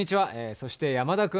そして、山田君。